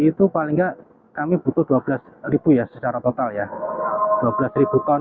itu paling enggak kami butuh dua belas ya sehari hari ya kalau kita memblending itu kalau kita memblending